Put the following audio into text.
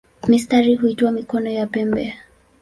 Mistari huitwa "mikono" ya pembe.